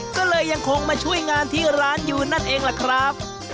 ก็เลยยังคงมาช่วยงานที่ร้านอยู่นั่นเองล่ะครับ